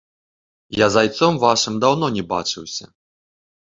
Я з айцом вашым даўно не бачыўся.